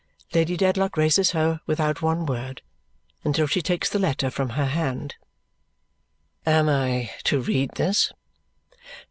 Lady Dedlock raises her without one word, until she takes the letter from her hand. "Am I to read this?"